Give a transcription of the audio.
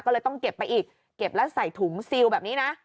ก็เลยต้องเก็บไปอีกเก็บแล้วใส่ถุงซิลแบบนี้นะ